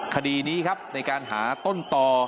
คดีนี้ครับในการหาต้นต่อ